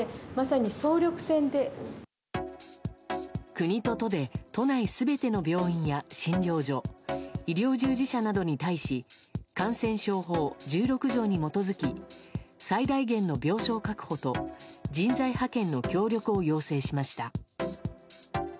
国と都で都内全ての病院や診療所医療従事者などに対し感染症法１６条に基づき最大限の病床確保と人材派遣の協力を要請しました。